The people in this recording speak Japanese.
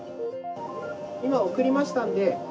今、送りましたので。